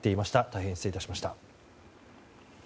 大変失礼致しました。